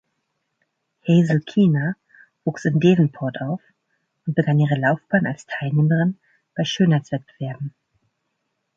Hazel Keener wuchs in Davenport auf und begann ihre Laufbahn als Teilnehmerin bei Schönheitswettbewerben.